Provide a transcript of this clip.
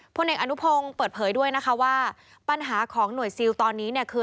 พลเอกอนุพงศ์เปิดเผยด้วยนะคะว่าปัญหาของหน่วยซิลตอนนี้เนี่ยคือ